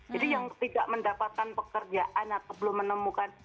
jadi yang tidak mendapatkan pekerjaan atau belum menemukan